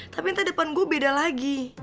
tapi entah depan gue beda lagi